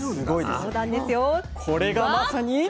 これがまさに。